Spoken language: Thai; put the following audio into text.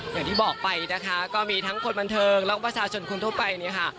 อย่างที่บอกไปนะคะก็มีทั้งคนบันเทิงแล้วก็ประชาชนคนทั่วไปเนี่ยค่ะ